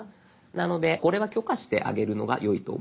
なのでこれは許可してあげるのがよいと思います。